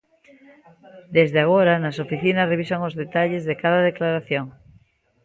Desde agora, nas oficinas revisan os detalles de cada declaración.